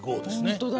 本当だ。